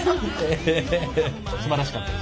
すばらしかった。